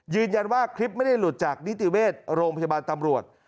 ยืนยันว่าคลิปไม่ได้หลุดจากนิติเวทย์โรงพยาบาลตำรวจ